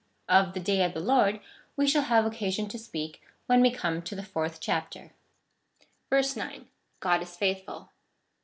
Of the day of the Lord we shall have occasion to speak when we come to the fourth chapter, 9. God is faithful.